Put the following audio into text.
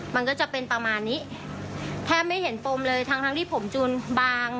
มันก็จะเป็นประมาณนี้แทบไม่เห็นปมเลยทั้งทั้งที่ผมจูนบาง